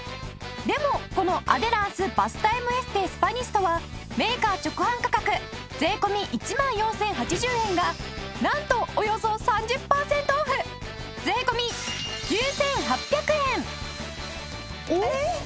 でもこのアデランスバスタイムエステスパニストはメーカー直販価格税込１万４０８０円がなんとおよそ３０パーセントオフ税込９８００円！おっ！えっ？